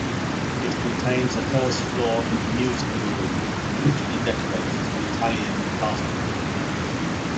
It contains a first floor music room richly decorated in Italian plasterwork.